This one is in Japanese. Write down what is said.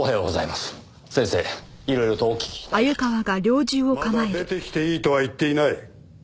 まだ出てきていいとは言っていない。